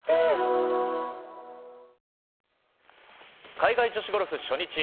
海外女子ゴルフ初日。